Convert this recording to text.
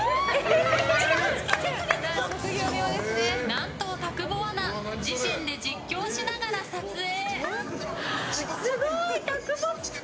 何と、田久保アナ自身で実況しながら撮影！